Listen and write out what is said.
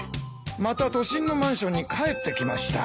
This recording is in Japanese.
また都心のマンションに帰ってきました。